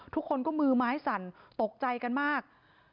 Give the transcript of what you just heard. ทุกคนก็มือไม้สั่นตกใจกันมาก